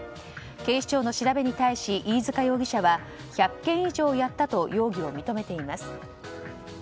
警視庁の調べに対し飯塚容疑者は１００件以上やったと容疑を認めています。